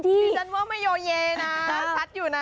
ดิฉันว่าไม่โยเยนะชัดอยู่นะ